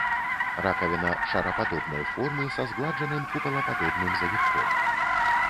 Ракавіна шарападобнай формы са згладжаным купалападобным завітком.